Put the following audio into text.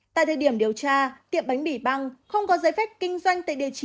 tại thời điểm điều tra tiệm bánh mì băng không có giấy phép kinh doanh tại địa chỉ